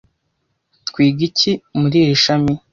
twiga iki muri iri shami